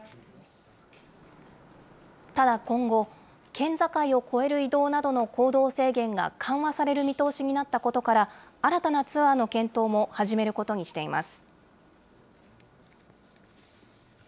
ただ今後、県境を越える移動などの行動制限が緩和される見通しになったことから、新たなツアーの検討も始めることにしています。